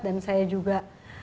dan saya juga